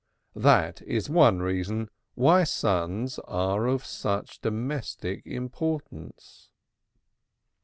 That is one reason why sons are of such domestic importance.